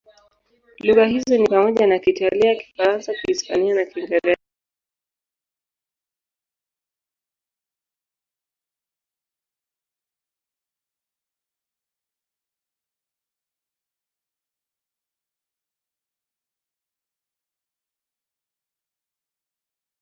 Ingawa maisha yake hayajulikani sana, huyo babu wa Kanisa anaheshimiwa tangu zamani kama mtakatifu.